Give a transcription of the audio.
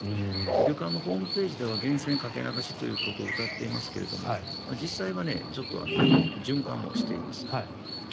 旅館のホームページでは源泉かけ流しということをうたっていますけれども実際は循環もしています。